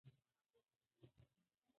موږ هڅه کوو چې خپل ادبي میراث وساتو.